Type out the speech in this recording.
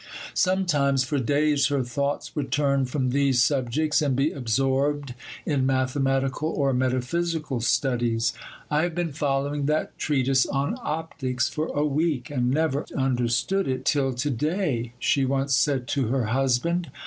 Sometimes, for days, her thoughts would turn from these subjects and be absorbed in mathematical or metaphysical studies. 'I have been following that treatise on Optics for a week, and never understood it till to day,' she once said to her husband.